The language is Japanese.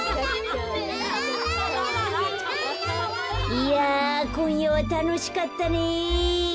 いやこんやはたのしかったね。